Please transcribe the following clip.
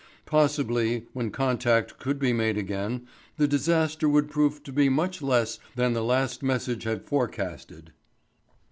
Possibly, when contact could be made again, the disaster would prove to be much less than the last message had forecasted.